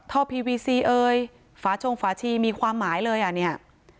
พีวีซีเอยฝาชงฝาชีมีความหมายเลยอ่ะเนี่ย